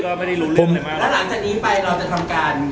แล้วหลังจากนี้ไปเราจะทำการ